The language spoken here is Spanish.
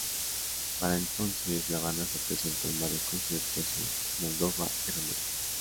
Para entonces, la banda se presentó en varios conciertos en Moldova y Rumanía.